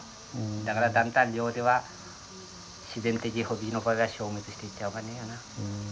だからだんだん漁では自然的帆引きの場が消滅していってしょうがねえよな。